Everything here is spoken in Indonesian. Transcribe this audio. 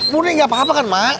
murni gak apa apa kan mak